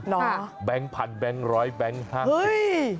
หนอเหรอหมุนเมสินค่ะแพ่นพันแพงร้อยแพ้นห้าสิบ